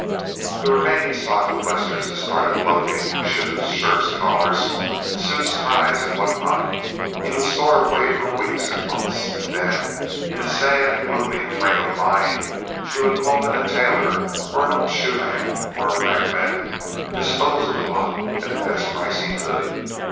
The remaining stock of Lester's discarded clothing—shoes, shirts, collars, suits, ties, and what not—he would store away for weeks and months, and then, in a sad and gloomy frame of mind, he would call in a tailor, or an old shoe man, or a ragman, and dispose of the lot at the best price he could.